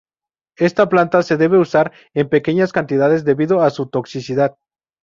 Esta planta se debe usar en pequeñas cantidades debido a su toxicidad.